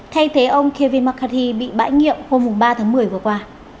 thay thế ông kevin mccarthy bị bãi nghiệm hôm ba tháng một mươi vừa qua